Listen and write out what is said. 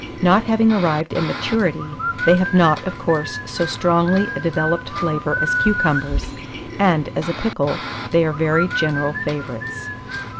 Not having arrived at maturity, they have not, of course, so strongly a developed flavour as cucumbers, and, as a pickle, they are very general favourites.